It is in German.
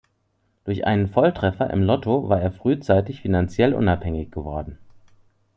Durch einen Volltreffer im Lotto war er frühzeitig finanziell unabhängig geworden.